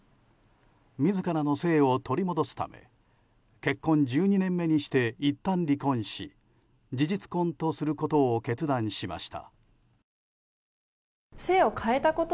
自らの姓を取り戻すため結婚１２年目にしていったん離婚し事実婚とすることを決断しました。